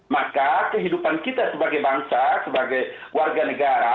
maka kehidupan kita sebagai bangsa sebagai warga negara